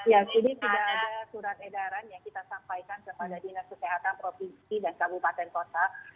ya ini sudah ada surat edaran yang kita sampaikan kepada dinas kesehatan provinsi dan kabupaten kota